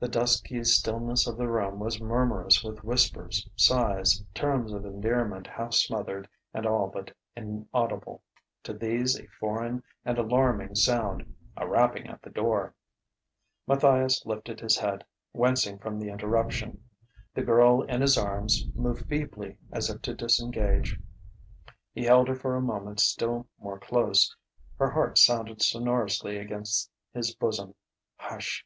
The dusky stillness of the room was murmurous with whispers, sighs, terms of endearment half smothered and all but inaudible. To these a foreign and alarming sound: a rapping at the door. Matthias lifted his head, wincing from the interruption. The girl in his arms moved feebly, as if to disengage. He held her for a moment still more close. Her heart sounded sonorously against his bosom. "Hush!"